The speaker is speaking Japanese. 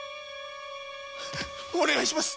お願いします。